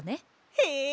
へえ！